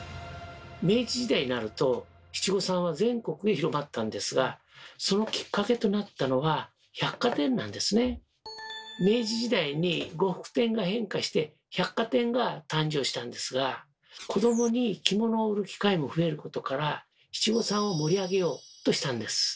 明治時代になると七五三は全国へ広まったんですがそのきっかけとなったのが明治時代に呉服店が変化して百貨店が誕生したんですが七五三を盛り上げようとしたんです。